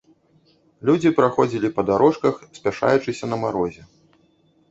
Людзі праходзілі па дарожках, спяшаючыся на марозе.